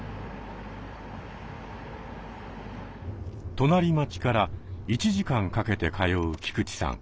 隣町から１時間かけて通う菊地さん。